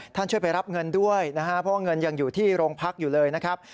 ช่วยไปรับเงินด้วยนะฮะเพราะว่าเงินยังอยู่ที่โรงพักอยู่เลยนะครับ